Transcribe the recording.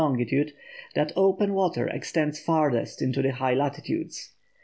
longitude that open water extends farthest into the high latitudes.